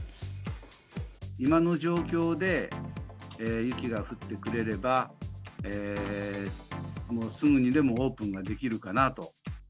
今の状況で雪が降ってくれれば、もうすぐにでもオープンができるかなと。